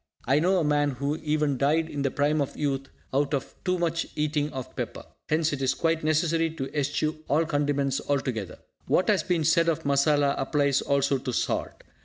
I know a man who even died in the prime of youth out of too much eating of pepper. Hence it is quite necessary to eschew all condiments altogether. What has been said of masala applies also to salt.